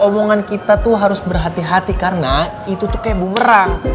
berhati hati karena itu tuh kayak bumerang